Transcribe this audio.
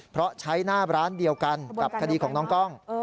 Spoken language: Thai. เพราะใช้หน้าร้านเดียวกันกับคดีของน้องกล้อง